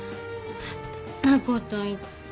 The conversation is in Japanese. またんなこと言って！